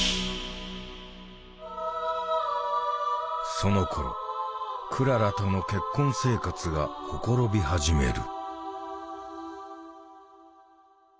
そのころクララとの結婚生活が綻び始める。